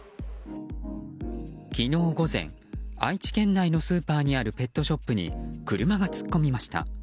昨日午前、愛知県内のスーパーにあるペットショップに車が突っ込みました。